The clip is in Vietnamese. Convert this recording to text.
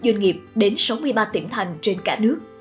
doanh nghiệp đến sáu mươi ba tỉnh thành trên cả nước